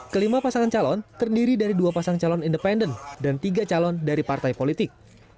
kelima pasangan calon terdiri dari dua pasang calon independen dan tiga calon dari partai politik